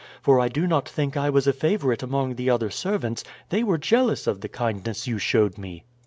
For I do not think I was a favorite among the other servants; they were jealous of the kindness you showed me."